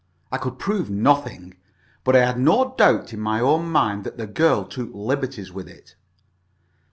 I could prove nothing, but I had no doubt in my own mind that the girl took liberties with it.